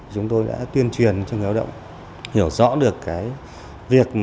chúng tôi đã tuyên truyền cho người lao động hiểu rõ được cái việc